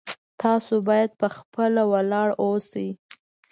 تاسو باید په خپله ولاړ اوسئ